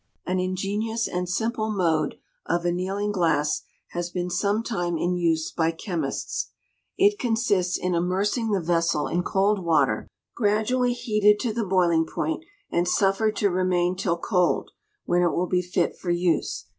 An ingenious and simple mode of annealing glass has been some time in use by chemists. It consists in immersing the vessel in cold water, gradually heated to the boiling point, and suffered to remain till cold, when it will be fit for use.